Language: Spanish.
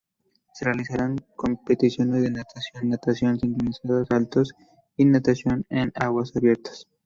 Se realizarán competiciones de natación, natación sincronizada, saltos y natación en aguas abiertas.